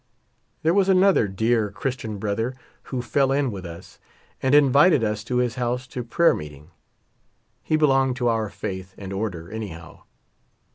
There was another dear. Christian brother who fell in with us and invited us to his house to prayer meet ing. He belonged to our faith and order, anyhow.